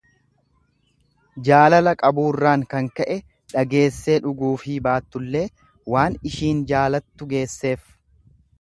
Jaalala qaburraan kan ka'e dhageessee dhuguufii baattullee waan ishiin jaalattu geesseef.